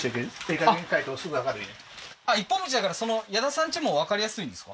一本道だからそのヤダさんちも分かりやすいんですか？